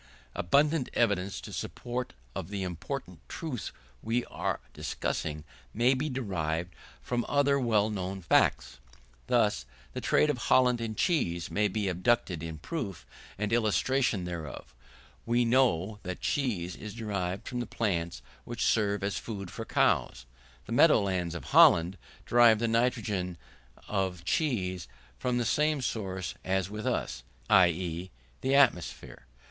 Abundant evidence in support of the important truth we are discussing, may be derived from other well known facts. Thus, the trade of Holland in cheese may be adduced in proof and illustration thereof. We know that cheese is derived from the plants which serve as food for cows. The meadow lands of Holland derive the nitrogen of cheese from the same source as with us; i.e. the atmosphere.